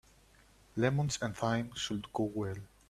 Lemons and thyme should go well.